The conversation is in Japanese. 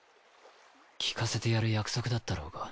聴かせてやる約束だったろうが。